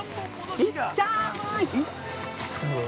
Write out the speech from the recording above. ちっちゃーい。